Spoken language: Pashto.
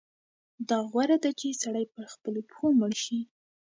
دا غوره ده چې سړی پر خپلو پښو مړ شي.